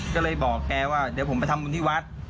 ก็เลยบอกแกว่าเดี๋ยวผมไปทำบุญที่วัด